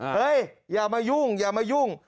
อย่ามายุ่งอย่ามายุ่ง